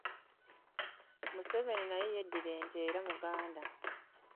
Museveni naye yeddira Nte era Muganda.